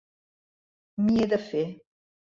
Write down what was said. M'hi he de fer.